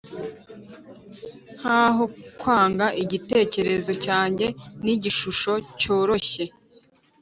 nkaho kwanga igitekerezo cyanjye nigishusho cyoroshye.